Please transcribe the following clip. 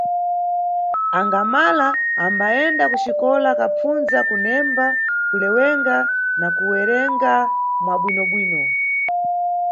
Angamala ambayenda kuxikola kapfundza kunemba, kulewenga na kuwerenga mwa bwinobwino.